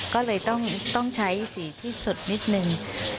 ก็เลยต้องใช้สีที่สุดนิดนึง